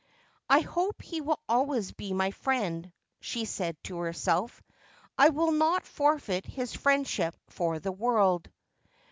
' I hope he will always be my friend,' she said to herself ;' I would not forfeit his friendship for the world.'